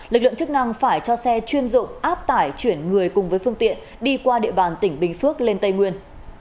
lực lượng chức năng phải cho xe chuyên dụng áp tải chuyển người cùng với phương tiện đi qua địa bàn tỉnh bình phước lên tây nguyên